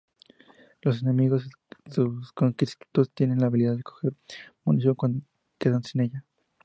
Los enemigos conscriptos tienen la habilidad de recoger munición cuando quedan sin ella.